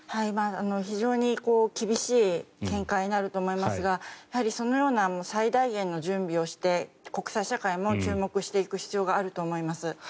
非常に厳しい展開になると思いますがやはり、そのような最大限の準備をして国際社会も注目していく必要があると思います。